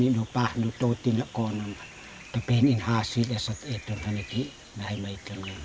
keduanya tidak terpisahkan dari cati diri mereka sebagai orang dawan